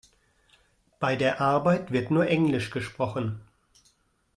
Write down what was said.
Bei der Arbeit wird nur Englisch gesprochen.